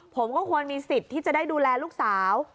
ผมก็ควรมีสิทธิ์ที่จะได้ดูแลลูกสาว